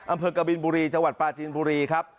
อำเภอกบินบุรีจังหวัดปลาจีนบุรีครับ